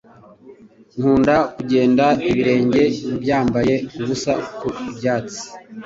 Nkunda kugenda ibirenge byambaye ubusa ku ibyatsi.